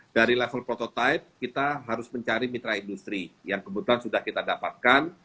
dari level prototipe kita harus mencari mitra industri yang kebetulan sudah kita dapatkan